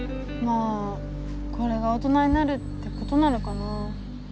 あこれが大人になるってことなのかなぁ。